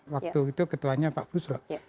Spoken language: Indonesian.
waktu itu ketuanya pak busro